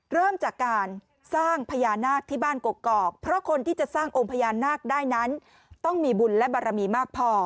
เริ่มจากการสร้างพญานาคที่บ้านกกอกเพราะคนที่จะสร้างองค์พญานาคได้นั้นต้องมีบุญและบารมีมากพอ